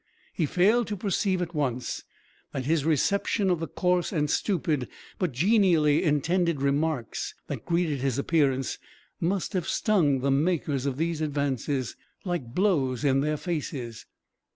He failed to perceive at once that his reception of the coarse and stupid but genially intended remarks that greeted his appearance must have stung the makers of these advances like blows in their faces.